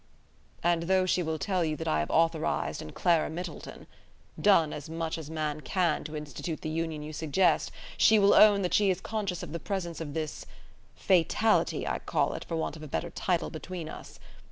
"And though she will tell you that I have authorized and Clara Middleton done as much as man can to institute the union you suggest, she will own that she is conscious of the presence of this fatality, I call it for want of a better title between us.